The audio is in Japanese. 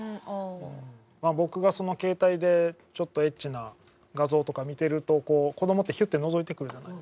まあ僕が携帯でちょっとエッチな画像とか見てるとこう子供ってヒュッてのぞいてくるじゃないですか。